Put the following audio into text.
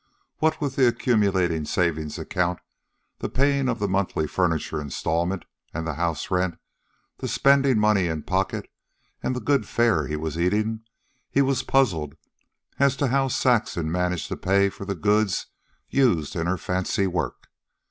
What with the accumulating savings account, the paying of the monthly furniture installment and the house rent, the spending money in pocket, and the good fare he was eating, he was puzzled as to how Saxon managed to pay for the goods used in her fancy work.